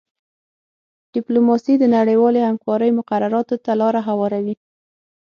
ډیپلوماسي د نړیوالې همکارۍ مقرراتو ته لاره هواروي